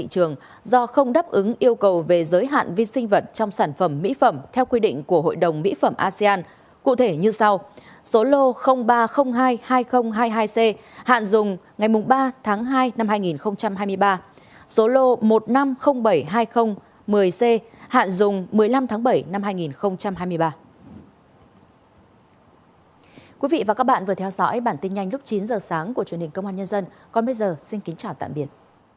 còn bây giờ xin kính chào tạm biệt